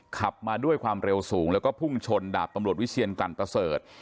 ขับมาด้วยความเร็วสูงแล้วก็พุ่งชนดาบตำรวจวิเชียนกลั่นประเสริฐ